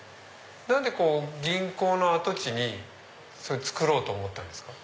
何で銀行の跡地に造ろうと思ったんですか？